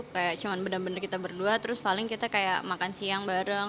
kayak cuma benar benar kita berdua terus paling kita kayak makan siang bareng